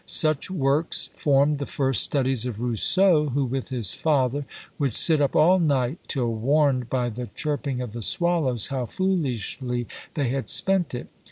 Such works formed the first studies of Rousseau, who, with his father, would sit up all night, till warned by the chirping of the swallows how foolishly they had spent it!